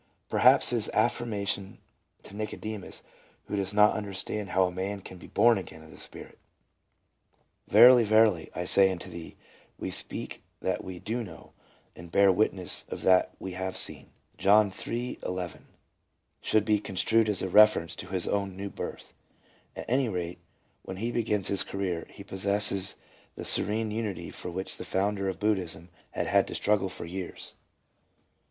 Per haps his affirmation to Mcodemus, who does not under stand how a man can be born again of the Spirit, "Verily, verily, I say unto thee, we speak that we do know, and bear witness of that we have seen" (John iii:ll), should be con strued as a reference to his own "new birth." At any rate, when he begins his career, he possesses the serene unity for which the founder of Buddhism had had to struggle for years.